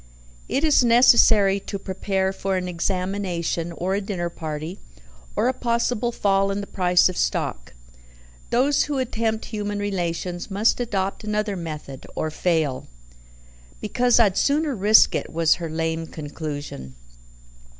It is necessary to prepare for an examination, or a dinner party, or a possible fall in the price of stock: those who attempt human relations must adopt another method, or fail. "Because I'd sooner risk it," was her lame conclusion.